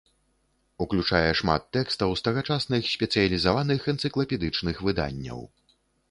Уключае шмат тэкстаў з тагачасных спецыялізаваных энцыклапедычных выданняў.